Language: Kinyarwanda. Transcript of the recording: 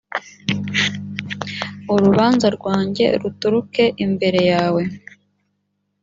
urubanza rwanjye ruturuke imbere yawe .